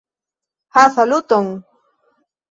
Ha, saluton!